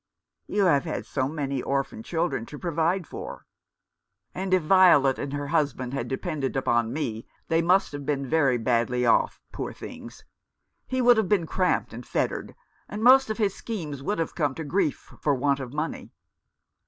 "You have had so many orphan children to provide for." " And if Violet and her husband had depended .: upon me they must have been very badly off, poor things. He would have been cramped and fettered, and most of his schemes would have come to grief for want of money.